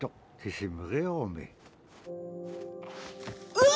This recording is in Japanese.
うわ！